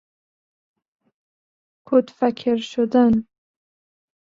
کتفکر شدن